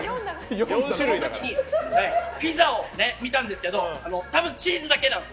その時にピザを見たんですけど多分チーズだけなんです。